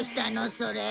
それ。